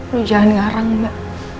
lu jangan ngarang mbak